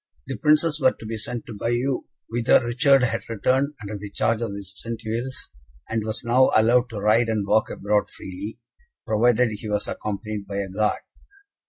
The Princes were to be sent to Bayeux; whither Richard had returned, under the charge of the Centevilles, and was now allowed to ride and walk abroad freely, provided he was accompanied by a guard.